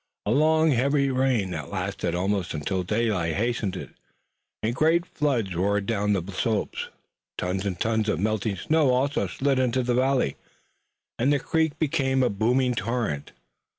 A long heavy rain that lasted almost until daylight hastened it and great floods roared down the slopes. Tons and tons of melting snow also slid into the valley, and the creek became a booming torrent.